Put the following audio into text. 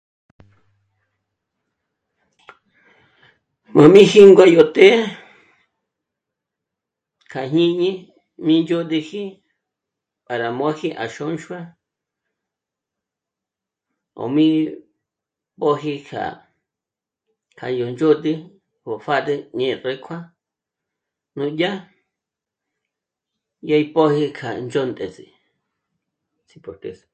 M'a mí jîngua yó të'ë kja jñíni mí ndzhôd'üji para móji à Xônxua 'ó mí mbóji kja... kja yó ndzhôd'ü ó pjâdül, ñé'e rékua nú'dyà dyè'e í pö̀gü kja ndzhóndes'e